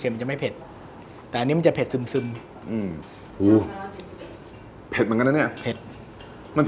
ชิมน้ำซุปกันซิ